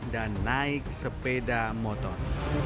dan naik sepeda motor